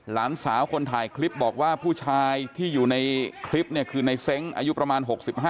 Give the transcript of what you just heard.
หลานสาวคนถ่ายคลิปบอกว่าผู้ชายที่อยู่ในคลิปเนี่ยคือในเซ้งอายุประมาณ๖๕